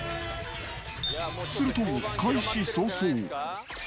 すると、開始早々。